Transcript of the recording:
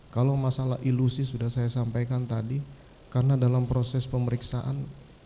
kalau masalah ilusi sudah saya sampaikan tadi karena dalam proses pemeriksaan